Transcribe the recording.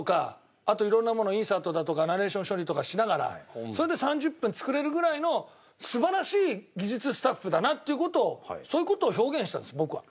あと色んなものインサートだとかナレーション処理とかしながらそれで３０分作れるぐらいの素晴らしい技術スタッフだなっていう事をそういう事を表現したんです僕は。